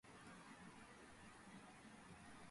გემებს ძირითადად ტორპედოები ან საზღვაო ნაღმები აფეთქებდნენ.